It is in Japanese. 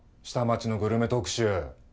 下町のグルメ特集